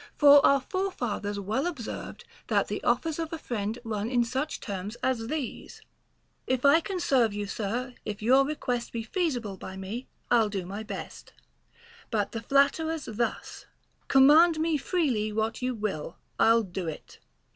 For our forefathers well observed, that the offers of a friend run in such terms as these : If I can serve you, sir, if your request Be feasible by me, I'll do my best ; but the flatterers thus : Command me freely what you will, I'll do it.